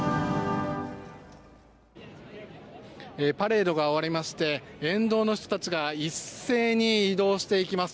パレードが終わりまして沿道の人たちが一斉に移動していきます。